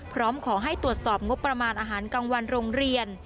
พร้อมขอให้ตรวจสอบงบประมาณอาหารกลางวันโรงเรียน